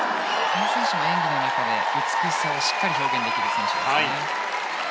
この選手も演技の中で美しさを表現できる選手ですね。